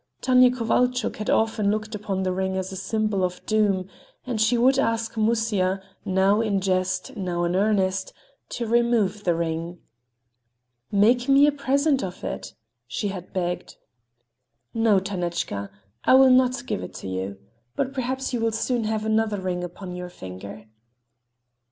Tanya Kovalchuk had often looked upon the ring as a symbol of doom, and she would ask Musya, now in jest, now in earnest, to remove the ring. "Make me a present of it," she had begged. "No, Tanechka, I will not give it to you. But perhaps you will soon have another ring upon your finger."